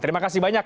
terima kasih banyak